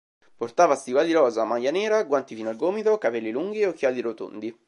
Portava stivali rosa, maglia nera, guanti fino al gomito, capelli lunghi e occhiali rotondi.